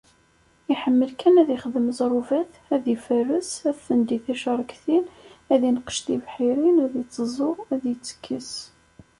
Iḥemmel kan ad ixdem ẓrubat, ad iferres, ad tendi ticeṛktin, ad ineqqec tibḥirt, ad iteẓẓu, ad d-itekkes.